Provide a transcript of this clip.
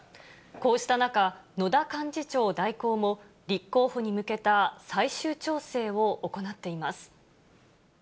こうした中、野田幹事長代行も、立候補に向けた最終調整を行っています。